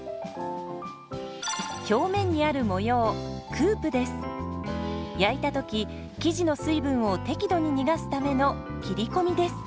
表面にある模様焼いた時生地の水分を適度に逃がすための切り込みです。